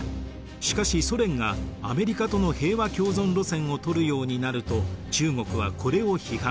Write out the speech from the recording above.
しかしソ連がアメリカとの平和共存路線をとるようになると中国はこれを批判。